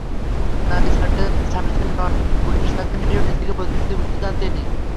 নারী সার্জেন্ট নন, police sergeant হিসেবে নিজেকে প্রতিষ্ঠিত করতে চান তিনি।